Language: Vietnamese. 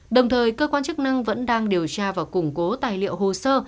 đồng thời cơ quan chức năng vẫn đang điều tra và củng cố tài liệu hồ sơ